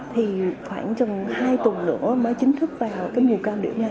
thì khoảng chừng hai tuần nữa mới chính thức vào cái mùa cam điểm nhà